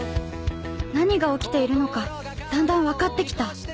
何が起きているのかだんだん分かって来た。